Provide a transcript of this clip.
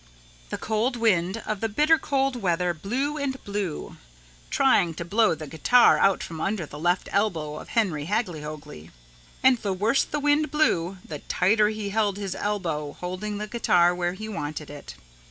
The cold wind of the bitter cold weather blew and blew, trying to blow the guitar out from under the left elbow of Henry Hagglyhoagly. And the worse the wind blew the tighter he held his elbow holding the guitar where he wanted it.